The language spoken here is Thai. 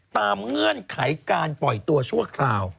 เงื่อนไขการปล่อยตัวชั่วคราว